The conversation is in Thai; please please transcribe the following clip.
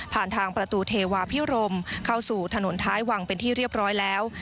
ทางประตูเทวาพิรมเข้าสู่ถนนท้ายวังเป็นที่เรียบร้อยแล้ว